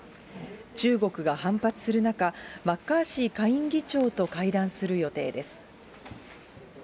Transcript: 中国が反発する中、マッカーシー下院議長と会談する予定です。